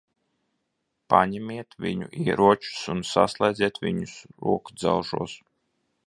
Paņemiet viņu ieročus un saslēdziet viņus rokudzelžos.